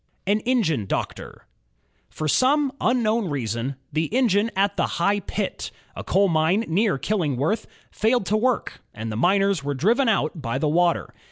An Engine Doctor For some unknown reason, the engine at the High Pit, a coal mine near Killingworth, failed to work, and the miners were driven out by the water.